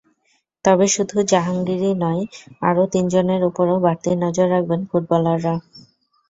তবে শুধু জাহোঙ্গীরই নন, আরও তিনজনের ওপরও বাড়তি নজর রাখবেন ফুটবলাররা।